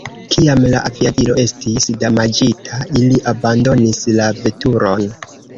Kiam la aviadilo estis damaĝita, ili abandonis la veturon.